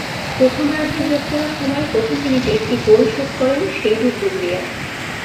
প্রথমার্ধে যোগ করা সময়ের প্রথম মিনিটে একটি গোল শোধ করেন সেইডু ডুম্বিয়া।